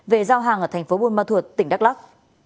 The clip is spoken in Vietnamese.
về giao hàng ở thành phố buôn ma thuột tỉnh đắk lắc